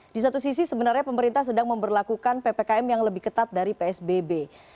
di satu sisi sebenarnya pemerintah sedang memperlakukan ppkm yang lebih ketat dari psbb